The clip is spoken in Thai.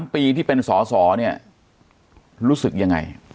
๓ปีที่เป็นสอสอเนี่ยรู้สึกยังไง